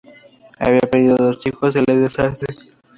Había perdido dos hijos en el desastre.